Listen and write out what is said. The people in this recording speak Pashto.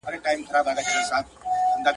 چي ډول دي وي په څنگ، د وهلو ئې څه ننگ.